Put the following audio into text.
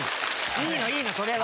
いいのいいのそれは。